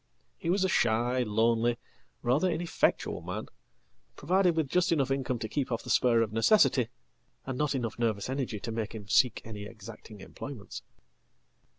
He was a shy, lonely, rather ineffectual man, provided withjust enough income to keep off the spur of necessity, and not enoughnervous energy to make him seek any exacting employments.